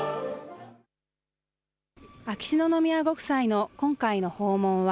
秋篠宮ご夫妻の今回の訪問は、